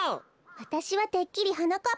わたしはてっきりはなかっ